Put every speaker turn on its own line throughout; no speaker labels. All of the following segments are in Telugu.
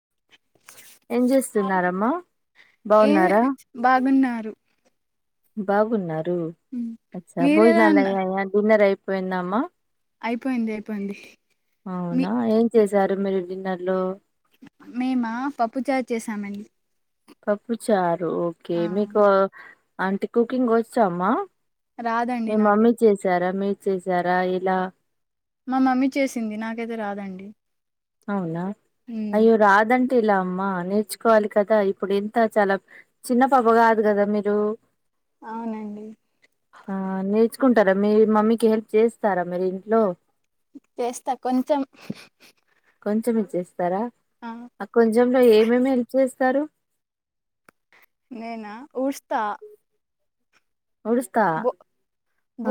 [inaudible]
ఏం చేస్తున్నారమ్మా
ఏమి
బాగున్నారా
బాగున్నారు
బాగున్నారు అచ్చా
మీరెలా
భోజనాలు
ఉన్నారు
అయ్యాయా డిన్నర్ అయిపోయిందా అమ్మా
అయిపోయింది అయిపోయింది మీ
అవునా ఏం చేశారు మీరు డిన్నర్ లో
మిమా పప్పు చారు చేశామండి
పప్పు చారు ఓకే మీకు అంటే కుకింగ్ వచ్చామ్మా
రాదండి
మీ మమ్మీ
నాకైతే
చేసారా మీరు చేసారా ఎలా
మా మమ్మీ చేసింది నాకైతే రాదండి
అవునా
ఉమ్,
అయ్యో రాదన్ ఎలా అమ్మా నేర్చుకోవాలి కదా ఇప్పుడు ఎంత చాలా చిన్న పాప కాదు కదా మీరు
అవునండి
కుంటారా మీ మమ్మీకి హెల్ప్ చేస్తారా మీరు ఇంట్లో
చేస్తా కొంచెం
కొంచెమే చేస్తారా ఆ కొంచెంలో ఏమేమి హెల్ప్ చేస్తారు
నేనా ఊడుస్తా
ఉడుస్తా
బో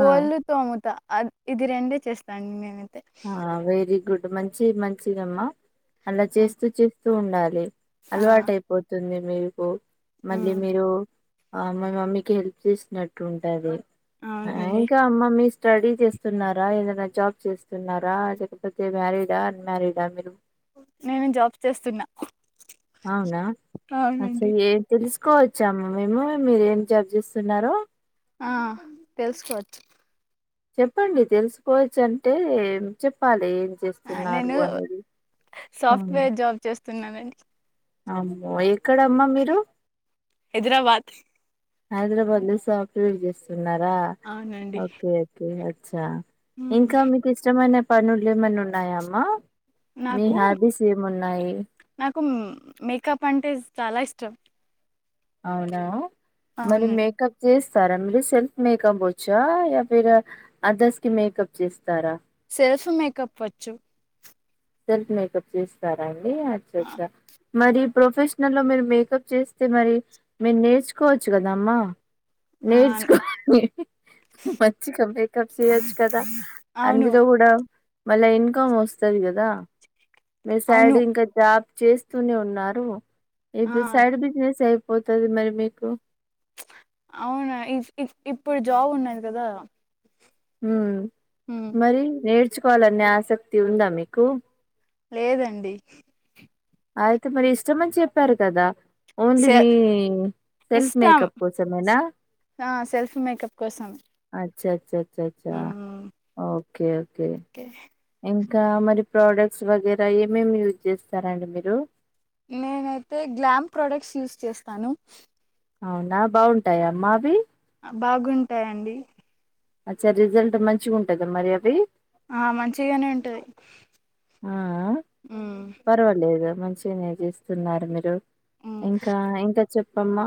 ఆ
తోముతా అద్ ఇది రెండే చేస్తా అండి నేను
ఆ వెరీ గుడ్ మంచి మంచిదమ్మా అలా
ఆ
చేస్తూ చేస్తూ ఉండాలి
ఆ,
అలవాటు అయిపోతుంది మీకు మళ్ళీ
ఉమ్,
మీరు ఆమ్మస్ మమ్మీకి హెల్ప్ చేసినట్టు ఉంటది
అవునండి
ఇంకా అమ్మ మీ స్టడీ చేస్తున్నారా ఏదైనా జాబ్ చేస్తున్నారా లేకపోతే మ్యారీడా అన్మారీడా మీరు
నేను జాబ్ చేస్తున్నా
అవునా అసలు
అవునండి
ఏ తెలుసు కోవచ్చామ్మ మేము మీర ఏం జబ్ చేస్తున్నారు
ఆ తెలుసుకోవచ్చు
చెప్పండి తెలుసుకోవచ్చు అంటే చెప్పాలి చేస్తున్నారు
నేను
అనేది ఉమ్.
సాఫ్ట్వేర్ జాబ్ చేస్తున్నానండి
అమ్మో ఎక్కడమ్మా మీరు
హైదరాబాద్
హైదరాబాద్ లొ సాప్ట్ వేర్ చేస్తున్నారా
అవునండి
ఓకే ఓకే అచ్చా
హ్మ్
ఇంకా మీకు ఇష్టమైన పనులు ఏమన్న ఉన్నాయామ్మా
నాకు నాకు మేకప్ అంటే చాలా ఇష్ట ష్టం
అవునా మరి మేకప్ చేసి స్తారా మీరు సెల్ఫ్ మేకప్ వచ్చా హాపీ గ అదర్స్ కి మేకప్ చేస్తారా
సెల్ఫ్ మేకప్ వచ్చు
సెల్ఫ్ మేకప్ చేస్తారాఅండి అచ్చ
ఆ
చ్చా మరి ప్రొఫెషనల్ లో మీరు మేకప్ చేస్తే మరి మీరు నేర్చుకోవచ్చు కదామ్మా
ఆ,
నేర్చకో మంచ్చిగా మేకప్ చేయొచ్చు కదా
అవును
అందులో కూడా మళ్ళా ఇన్కమ్ వస్తుది కదా మీ సైడ్
అవును
ఇంకా జాబ్ చేస్తూనే ఉన్నారు
ఆ
ఇప్పు సైడ్ బిజినెస్ అయిపోతుది మరి మీకు
అవునాఇప్ ఇప్ ఇప్పుడు జాబ్ ఉన్నాది కదా
ఉమ్
హ్మ్
మరి నేర్చుకోవాలనే ఆసక్తి ఉందా మీకు
లేదండి
అయితే మరి ఇష్టమని చెప్పారు కదా ఓన్లీ
సె
మీ సెల్ఫ్
ఇష్టం
మేకప్ కోసమేనా
ఆ సెల్ఫ్ మేకప్ కోసం
అచ్చచ్చ అచ్చ ఓకే ఓకే
ఒకే
ఇంకా మరి ప్రోడక్ట్స్ వగైర ఏమేమి యూజ్ చేస్తారండి మీరు
నేనైతే గ్లామ్ ప్రొడక్ట్స్ యూస్ చేస్తాను
అవునా బావుంటాయా అమ్మాఅవి
ఆ, బాగుంటాయండి
అచ్చ రిజల్ట్ మంచిగా ఉంటద మరి అవి
ఆ మంచిగానే ఉంటది
ఆ ఆ
హ్మ్
పర్వాలేదు మంచిగానే చేస్తున్నారు మీరు
హ్మ్
ఇంకా ఇంక చెప్పమ్మా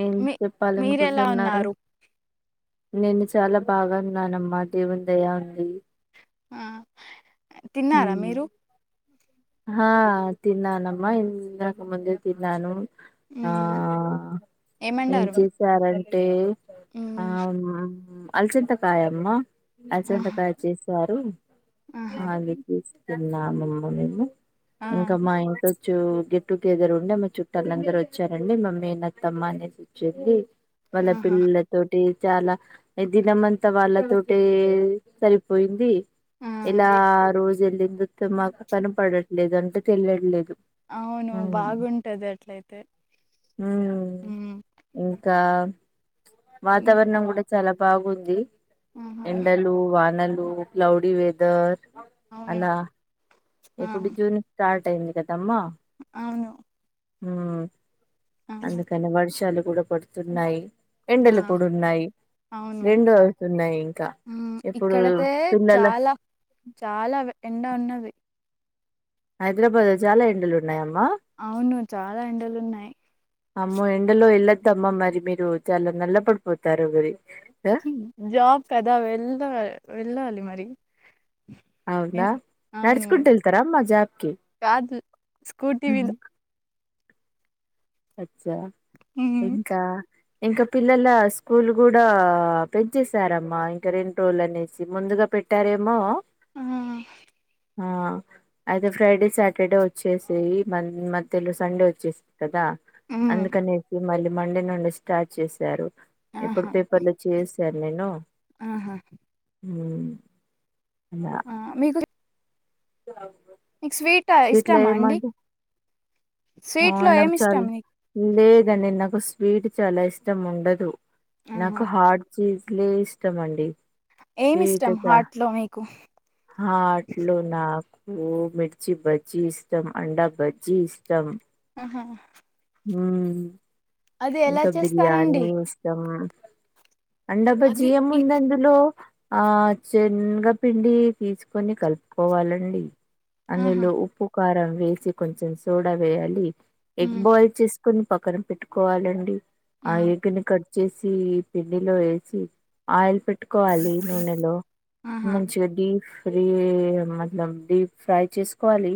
ఏం
మీ మీరెలా
చెప్పాలనుకుంటున్నారు
ఉన్నారు
నేను చాలా బాగన్నానమ్మా దేవుని దయా ఉంది
మ్ తిన్నారా మీరు
హా తిన్నానమ్మా ఇందకు ముందే తిన్నాను ఆ
మ్మ్
ఏం
ఏమండారు
చేత్తారం టే ఆ
మ్మ్
మా అలచెంతకాయ అమ్మా
ఆహా
అలచెంతకాయ చేసి తరు
ఆహా
అది తీసుకున్నాము మేము
ఆ
ఇంకా మా ఇంట్లో జు గెట్ టుగెదర్ ఉండే మా చుట్టలందరూ వచ్చారండి, మా మేనత్తమ్మ అనేసి వచ్చింది. వాళ్ళ
ఆహా
పిల్లలతోటి చాలా ఏ దినం అంతా వాళ్ళతోటే సరిపోయింది.
ఆ
ఎలా రోజేల్లిందో త మాకు కనపడట్లేదు అంటే తెలియట్లేదు.
అవును బాగుంటది అట్లయితే.
హ్
మ్మ్
ఇంకా
మ్మ్.
వాతావరణం కూడా చాలా బాగుంది.
ఆహా
ఎండలు, వానలు లు క్లౌడి వేదర్
అవును
అలా
ఆ
ఎప్పుడు జూన్ స్టార్ట్ టైం [unintelligible] దమ్మా
అవును
హ్
ఆ
అందుకనే వర్షాలు కూడా పడుతున్నాయి.
ఆ
ఎండలు కూడ ఉన్నాయి.
అవును
రెండు వస్తున్నాయి ఇంకా
మ్మ్
ఇప్పుడు
ఇక్కడతే
పిల్లల
చాలా చాలా ఎండ ఉన్నది.
హైదరాబాద్లో చాలా ఎండలు ఉన్నాయమ్మా.
అవును చాలా ఎండలు ఉన్నయి.
అమ్మో ఎండలో ఎళ్ళద్దమ్మా మరి మీరు చాలా నల్ల పడిపోతారు మరి. ఆ
జాబ్ కదా వెళ్ళా వెళ్ళాలి మరి.
అవునా
ఎన్- అవును మరి
నడుచుకుంటు ఎళ్తరామ్మా జాబ్కి.
కాదు స్కూటీ మీద
అచ్చా
మ్మ్
ఇంకా ఇంకా పిల్లల స్కూల్ కూడా పెంచెసారమ్మా ఇంకా రెండు రోజులు అనేసి ముందుగా పెట్టారేమో
ఆ
ఆ అయితే ఫ్రైడే సాటర్డే వచ్చేసి మ మధ్యలో సండే వచ్చేసింది కదా.
మ్మ్
అందుకనేసి మళ్ళీ మండే నుండి స్టార్ట్ చేసారు. ఇప్పుడు
ఆహా
పేపర్లో చేసాను నేను.
ఆహా
అలా
ఆ మీకు
[unintelligible]
మీకు స్వీటా
స్వీట్లో
ఇష్టమా అండి.
ఏమంట ఆ
స్వీట్లో
నాకు
ఏమి ఇష్టం
చాల్
మీకు
లేదండి నాకు స్వీ స్వీట్ చాలా ఇష్టం ఉండదు. నాకు
ఆహా
హార్ట్ చీజ్లే ఇష్టం అండి.
ఏమి
స్వీట్
ఇష్టం హార్ట్ లో మీకు?
హార్ట్ లో నాకు కు మిర్చి బజ్జీ ఇష్టం, అండా బజ్జీ ఇష్టం.
హ
హ్
ఎలా
ఇంకా
చేస్తారండి
బిర్యానీ ఇష్టం. అండ బజ్జీ
అది
ఏం
ఇ-
ఉంది అందులో. ఆ చనగా పిండి తీసుకొని కలుపుకోవాలండి.
ఆహా
అందులో ఉప్పు, కారం వేసి కొంచెం సోడా వేయాలి. ఎగ్
ఉమ్,
బాయిల్ చేసుకొని పక్కనపెట్టు కోవాలండి, ఆ ఎగ్ ని కట్ చేసి పిండిలో ఏసి ఆయిల్ పెట్టుకోవాలి నూనెలో
ఆహా
మంచిగా డీఫ్ రీ మనం డీప్ ఫ్రై చేసుకోవాలి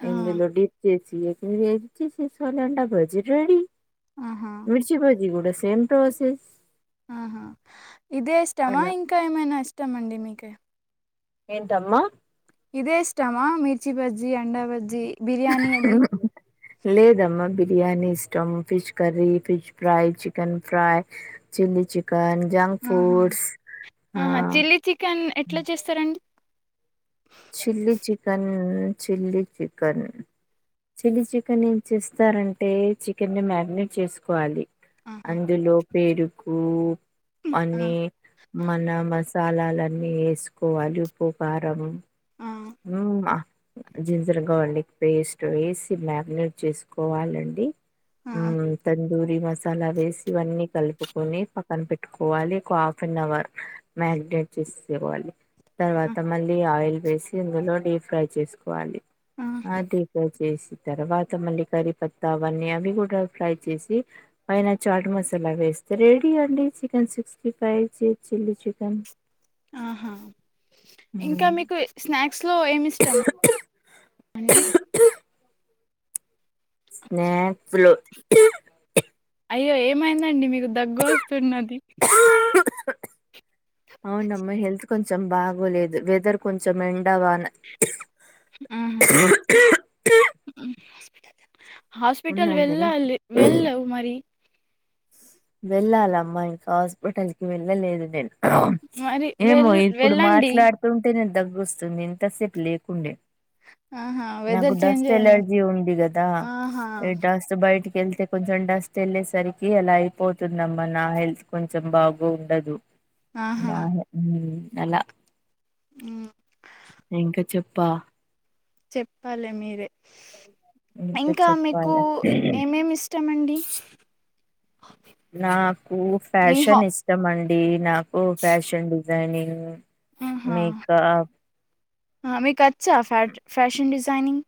ఆ,
ఇందులో డిప్ చేసి ఇచ్చేసిం [unintelligible] డా బజ్జి రెడీ
ఆహా
మిర్చి బజ్జి గూడ సేమ్ ప్రాసెస్
ఆహా ఇదే ఇష్టమా
అలా
ఇంకా ఏమైనా ఇష్టం అండి మీకి
ఏంటమ్మా
ఇదే ఇష్టమా మిర్చి బజ్జీ, అండా బజ్జీ, బిర్యానీ అది
లేదమ్మ బిర్యానీ ఇష్టం fish curry, fish fry, chicken fry chilli chicken junk
ఆహా
ఫుడ్స్ ఆ
ఆహా చిల్లీ చికెన్ ఎట్లా చేస్తారండి
chilli chicken chilli chicken chilli chicken ఏం చేస్తారంటే చికెన్ ని మ్యారినేట్ చేసుకోవాలి
ఆహా
అందులో పెరుగూ
ఆ,
అన్నీ మన మస్ సాలాలన్నీ ఏసుకోవాలి ఉప్పు కారము
ఆ,
నువుంగా జింజర్ గార్లిక్ పేస్ట్ ఏసి మ్యాగ్నేట్ చేసుకోవాలండి
ఆ,
ఉమ్ తన్ దూరి మసాలా వేసి ఇవన్నీ కలుపుకొని పక్కన పెట్టుకోవాలి ఒక హాఫ్ అన్ అవర్ మాగ్నేట్ చేసేసుకోవాలి
ఆ,
తర్వాత మళ్ళీ ఆయిల్ వేసి ఇందులో డీప్ ఫ్రై చేసుకోవాలి ఆ డీప్ ఫ్రై చేసి తర్వాత మల్లి కర్రీ పత్తా అవన్నీ అవి గూడ ఫ్రై చేసి పైన చాట్ మసాలా వే ఎస్తే రెడి అండి చికెన్ సిక్స్టీ ఫైవ్, చి చిల్లీ చికన్
ఆహా ఇంకా మీకు స్నాక్ స్ లో ఏమిష్టం అండి
స్నాప్ లో
అయ్యో ఏమైందండి మీకు దగ్గు వస్తున్నది
అవునమ్మా హెల్త్ కొంచెం బాగోలేదు వెదర్ కొంచెం ఎండా వాన
ఆహా హాస్పిటల్
ఉన్నాయి కదా
వెళ్ళాలి వెళ్లవ్ మరి
వెళ్ళాలమ్మా ఇంకా హాస్పిటల్కి వెళ్ళలేదు నేను
మరి
ఏమో
వెళ్
ఇప్పుడు
వెళ్ళండి.
మాట్లాడుతుంటేనే దగ్గొస్తుంది ఇంతసేపు లేకుండే
ఆహా!
నాకు
వెదర్ చేంజ్
డస్ట్
అయింది.
ఎలర్జీ ఉంది గదా
ఆహా!
ఈ డస్ట్ బయటికి వెళ్తే కొంచెం డస్ట్ ఎళ్ళేసరికి అలా అయిపోతుందమ్మా నా హెల్త్ కొంచెం బాగు ఉండదు
ఆహా!
నా హెల్ ఉమ్ అలా
హ్మ్.
ఇంక చెప్పా
చెప్పాలె మీరే ఇంకా మీకు ఏమేమ్ ఇష్టమండి
నాకు
మీ హా
ఫ్యాషన్ ఇష్టం అండి, నాకు ఫ్యాషన్ డిజైనింగ్
ఆహా!
మీకా
ఆ మీకచ్చా ఫాట్ ఫ్యాషన్ డిజైనింగ్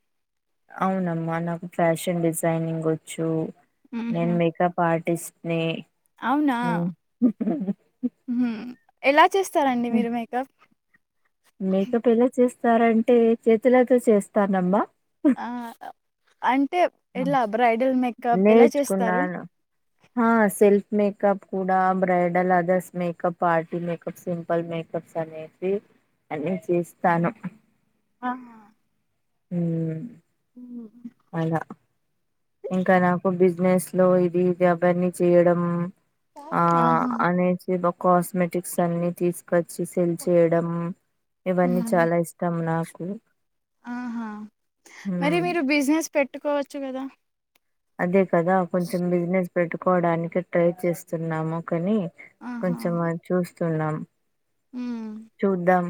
అవునమ్మా నాకు ఫ్యాషన్ డిజైనింగ్ ఒచ్చు,
హుహు.
నేను మేకప్ ఆర్ట్ టిస్ట్ నీ
అవునా హ్మ్ ఎలా చేస్తారండి మీరు మేకప్
మేకప్ ఎలా చేస్తారంటే చేతులతో చేస్తానమ్మా
ఆ అ అంటే ఎలా బ్రైడల్ మేకప్ ఎలా చేస్తారు
హ సెల్ఫ్ మేకప్ కూడా bridal others makeup, party makeup simple makeup సనేతి అని చేస్తాను.
ఆహా
ఉహ్మ్
హ్మ్.
అలా ఇంకా నాకు బిజినెస్ లో ఇది ఇది అవన్నీ చేయడం ఆ
ఆహా
అనేచి బో కాస్మెటిక్స్ అన్ని తీసుకొచ్చి సెల్ చేయడం ఇవన్నీ
ఉమ్
చాలా ఇష్టం నాక్ కు
ఆహా మరి మీరు బిజినెస్ పెట్టుకోవచ్చు గదా
అదే కదా కొంచెం బిజినెస్ పెట్టుకోవడానికి ట్రై చేస్తున్నాము కనీ
ఆహా
కొంచెం అద్ చూస్తున్నాం
ఉమ్
చూద్దాం.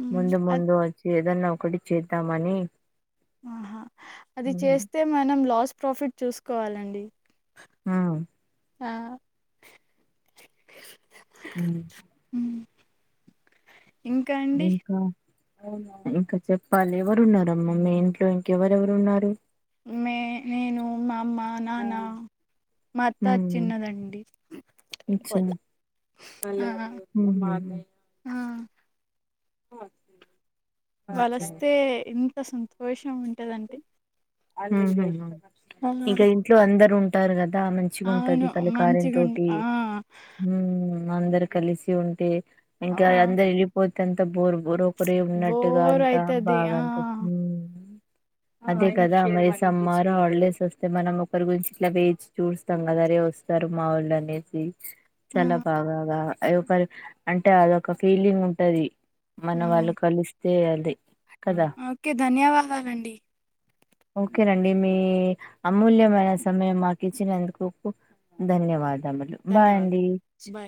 ఉమ్
ముందు
అద్
ముందు వచ్చి ఏదన్నా ఒకటి చేద్దామని.
ఆహా అది
మ్మ్
చేస్తే మనం లాస్ ప్రాఫిట్ చూసుకోవాలండి.
ఉహ్
ఆ
ఉహ్
ఉహ్ ఇంకా అండి.
ఇంకా ఇంకా చెప్పాలి. ఎవరున్నారమ్మ మీ ఇంట్లో ఇంకెవరెవరు ఉన్నారు.
మే నేను, మా అమ్మ, నాన్న. మాంత్త
మ్మ్
చిన్నదండి. ఆ ఆ
ఉహు్ ఓ
వెళ్ళొస్తే ఇంత సంతోషం ఉంటదంటే
ఊహుహు్
అవునా?
ఇంకా ఇంట్లో అందరు ఉంటారు గద్ దా
అవును
మంచిగుంటది. కలి కార్య
మంచిగుండు
తోటి
ఆ
హుమ్మ్ మందరు కలిసి ఉంటే ఇంకా
ఆ
అందరు ఏళ్ళిపోతే అంత బోర్ బో ప్పురే ఉన్నట్టుగా
బోర్
అంతా
అయితది
బాగా
ఆ
అనిపింత్ ఉహ్
ఆ
కదా మరి సమ్మారు హాలిడేస్ వస్తే, మనం ఒకరి గురించి ఇట్లా వేచి చూస్తాం కదా, అరే వస్తారు మా ఓల్ అనేసి.
ఆ.
చాలా బాగాగా అ ఒకర అంటే అదొక ఫీలింగ్ ఉంటది. మన
ఉమ్,
వాళ్ళు కలిస్తే అది. కదా
ఓకే ధన్యవాదాలండి.
ఓకేనండి, మీ అమూల్యమైన సమయం మాకు ఇచ్చినందుకు ధన్యవాదములు బాయ్
ధన్యవాదాలు
అండి.
బాయ్